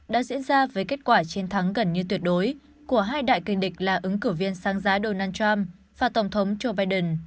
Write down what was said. đã diễn ra với kết quả chiến thắng gần như tuyệt đối của hai đại kinh địch là ứng cử viên sáng giá donald trump và tổng thống joe biden